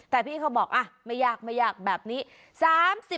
แต่พี่เขาบอกไม่ยากไม่ยากแบบนี้